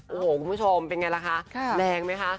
โอ้โหคุณผู้ชมเป็นไงล่ะคะแรงไหมคะ